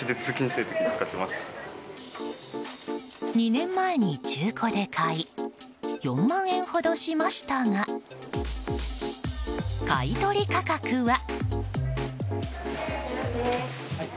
２年前に中古で買い４万円ほどしましたが買い取り価格は？